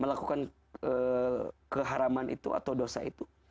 melakukan keharaman itu atau dosa itu